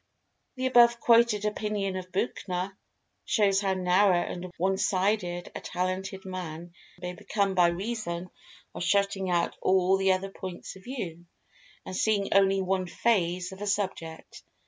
The above quoted opinion of Buchner shows how narrow and one sided a talented man may become by reason of shutting out all other points of view, and seeing only one phase of a subject.